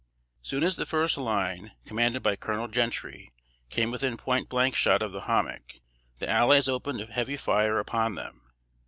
Soon as the first line, commanded by Colonel Gentry, came within point blank shot of the hommock, the allies opened a heavy fire upon them.